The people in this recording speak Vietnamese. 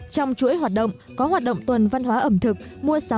trong chuỗi hoạt động có hoạt động tuần văn hóa ẩm thực mua sắm tết đình dậu